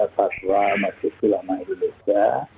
fatwa majelis ulama indonesia